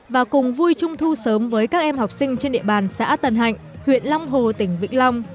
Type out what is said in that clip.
và cùng vui trung thu sớm với các em học sinh trên địa bàn xã tân hạnh huyện long hồ tỉnh vĩnh long